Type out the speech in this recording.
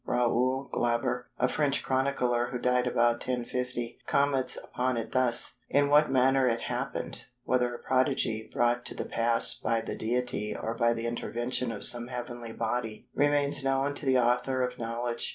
Raoul Glaber (a French chronicler who died about 1050) comments upon it thus:—"In what manner it happened, whether a prodigy brought to pass by the Deity or by the intervention of some heavenly body, remains known to the author of knowledge.